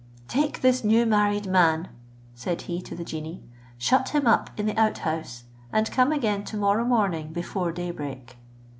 "Take this new married man," said he to the genie, "shut him up in the out house, and come again tomorrow morning before day break."